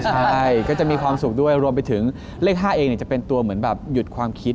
ใช่ก็จะมีความสุขด้วยรวมไปถึงเลข๕เองจะเป็นตัวเหมือนแบบหยุดความคิด